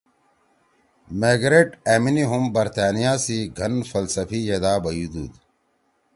میگرٹ أمیِنی ہُم برطانیہ سی گھن فلسفی یِدا بیُودُود